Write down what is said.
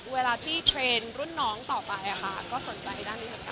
เวลาที่เทรนด์รุ่นน้องต่อไปก็สนใจด้านนี้เหมือนกัน